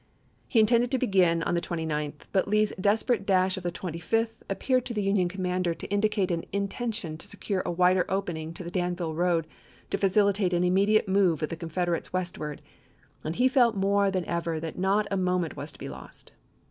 He intended to begin on the chap.viii 29th, but Lee's desperate dash of the 25th appeared to the Union commander to indicate an intention to secure a wider opening to the Danville road to facilitate an immediate move of the Confederates westward, and he felt more than ever that not a moment was to be lost.